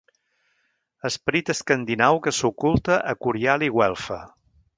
Esperit escandinau que s'oculta a Curial i Güelfa.